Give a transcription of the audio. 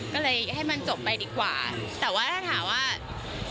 ก็เลยให้มันจบไปดีกว่าแต่ว่าถ้าถามว่า